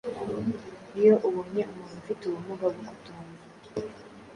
Iyo ubonye umuntu ufite ubumuga bwo kutumva